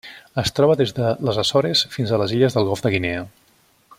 Es troba des de les Açores fins a les illes del Golf de Guinea.